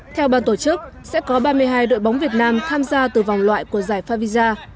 theo ban tổ chức sẽ có ba mươi hai đội bóng việt nam tham gia từ vòng loại của giải favisa